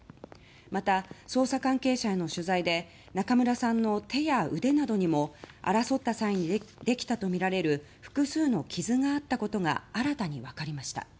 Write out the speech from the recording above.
また、捜査関係者への取材で中村さんの手や腕などにも争った際にできたとみられる複数の傷があったことが新たに分かりました。